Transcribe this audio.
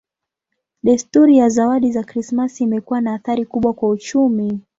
Desturi ya zawadi za Krismasi imekuwa na athari kubwa kwa uchumi.